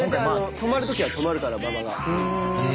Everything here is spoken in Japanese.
止まるときは止まるからババは。